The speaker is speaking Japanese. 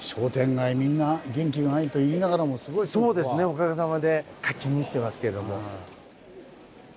おかげさまで活気に満ちてますけども。